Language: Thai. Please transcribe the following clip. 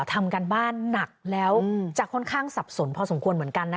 ทำการบ้านหนักแล้วจะค่อนข้างสับสนพอสมควรเหมือนกันนะ